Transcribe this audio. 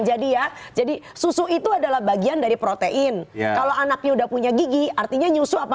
jadi ya jadi susu itu adalah bagian dari protein kalau anaknya udah punya gigi artinya nyusu apa